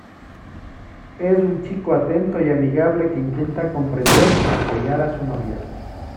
Es un chico atento y amigable que intenta comprender y apoyar a su novia.